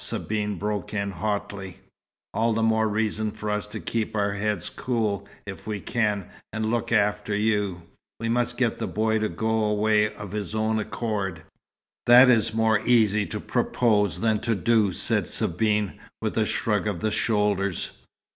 Sabine broke in, hotly. "All the more reason for us to keep our heads cool if we can, and look after you. We must get the boy to go away of his own accord." "That is more easy to propose than to do," said Sabine, with a shrug of the shoulders.